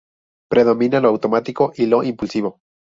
Predomina lo automático y lo impulsivo.